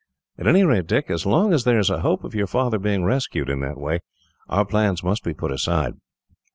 "At any rate, Dick, as long as there is a hope of your father being rescued, in that way, our plans must be put aside."